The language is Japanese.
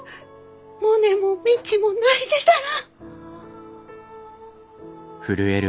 モネも未知も泣いてたら。